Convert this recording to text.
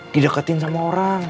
didekatin sama orang